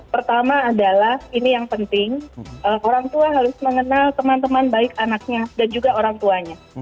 pertama adalah ini yang penting orang tua harus mengenal teman teman baik anaknya dan juga orang tuanya